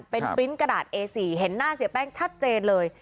เป็นปริ้นต์กระดาษเอสีเห็นหน้าเสียแป้งชัดเจนเลย